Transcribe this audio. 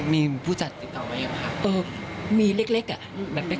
มีผู้จัดติดต่อไหมครับ